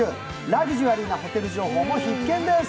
ラグジュアリーなホテル情報も必見です。